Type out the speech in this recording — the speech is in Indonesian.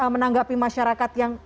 menanggapi masyarakat yang